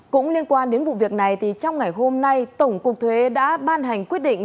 cũng liên quan đến vụ việc này trong ngày hôm nay tổng cục thuế đã ban hành quyết định